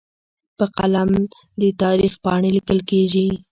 په قلم د تاریخ پاڼې لیکل کېږي.